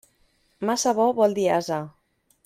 Massa bo vol dir ase.